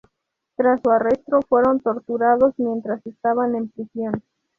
Tras su arresto, fueron torturados mientras estaban en prisión.